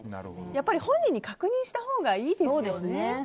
やっぱり本人に確認したほうがいいですよね。